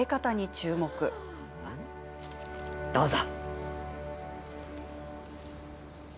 どうぞ。